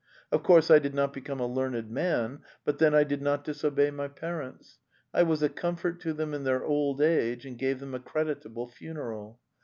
. Of course, I did not become a learned man, but then I did not disobey my parents; I was a comfort to them in their old age and gave them a creditable funeral.